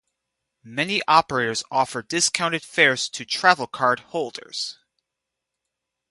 Many operators offer discounted fares to Travelcard holders.